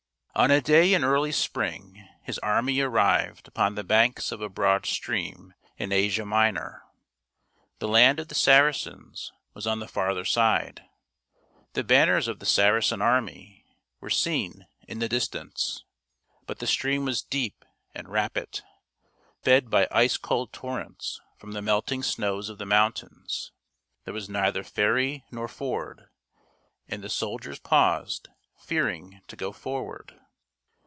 On a day in early spring his army arrived upon the banks of a broad stream in Asia Minor. The land of the Saracens was on the farther side ; the banners of the Saracen army were seen in the distance. But the stream was deep and rapid, fed by ice cold torrents from the melting snows of the mountains. There was neither ferry nor ford ; and the soldiers paused, fearing to go forward.